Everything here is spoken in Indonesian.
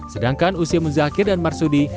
sedangkan usia muzakir dan marsudi